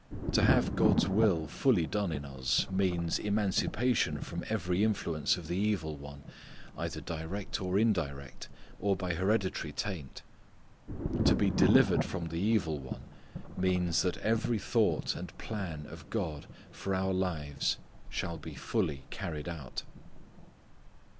To have God's will fully done in us means emancipation from every influence of the evil one, either direct or indirect, or by hereditary taint. To be delivered from the evil one means that every thought and plan of God for our lives shall be fully carried out.